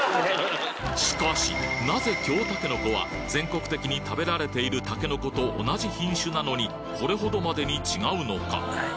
しかしなぜ京たけのこは全国的に食べられているたけのこと同じ品種なのにこれほどまでに違うのか